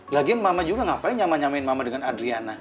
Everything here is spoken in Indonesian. lagian mama juga ngapain nyama nyamain mama dengan adriana